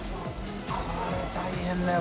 これ大変だよ